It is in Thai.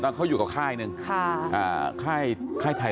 ใครไทยฮะไข้นึกฮะข้ายไทย